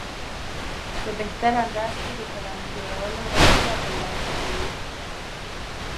په بهتر انداز کې د پلان جوړولو وړتیا ترلاسه کوي.